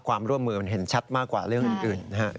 ความร่วมมือมันเห็นชัดมากกว่าเรื่องอื่นนะฮะ